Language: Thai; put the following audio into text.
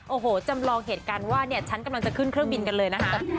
โอ้โหจำลองเหตุการณ์ว่าเนี่ยฉันกำลังจะขึ้นเครื่องบินกันเลยนะคะ